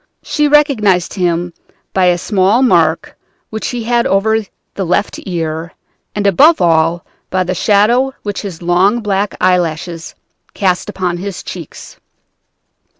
She recognized him by a small mark which he had over the left ear, and above all by the shadow which his long black eyelashes cast upon his cheeks.